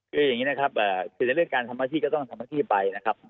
คืออย่างนี้นะครับในเรื่องการทำอาชีพก็ต้องทำอาชีพไปนะครับ